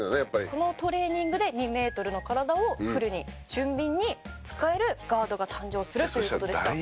このトレーニングで２メートルの体をフルに俊敏に使えるガードが誕生するという事でした。